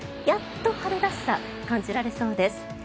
やっと春らしさが感じられそうです。